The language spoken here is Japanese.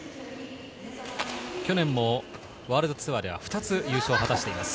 去年もワールドツアーでは２つ優勝を果たしています。